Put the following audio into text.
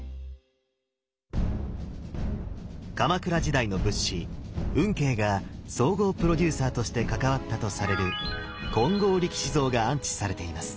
鎌倉時代の仏師運慶が総合プロデューサーとして関わったとされる金剛力士像が安置されています。